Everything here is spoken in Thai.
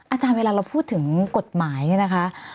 อาจารย์เวลาเราพูดถึงกฎหมายเนี่ยนะคะ